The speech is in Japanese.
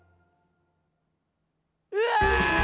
「うわ！